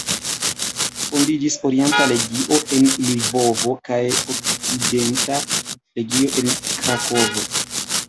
Fondiĝis Orienta Legio en Lvovo kaj Okcidenta Legio en Krakovo.